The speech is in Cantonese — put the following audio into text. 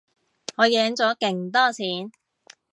我贏咗勁多錢